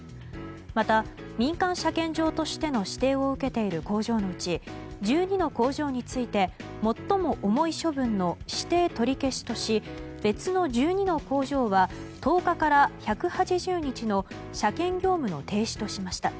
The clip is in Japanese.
また、民間車検場としての指定を受けている工場のうち１２の工場について最も重い処分の指定取り消しとし別の１２の工場は１０日から１８０日の車検業務の停止としました。